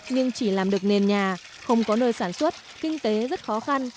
nhưng chỉ làm được nền nhà không có nơi sản xuất kinh tế rất khó khăn